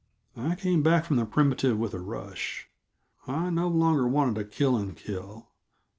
I came back from the primitive with a rush. I no longer wanted to kill and kill.